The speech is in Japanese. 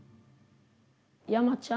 山ちゃん。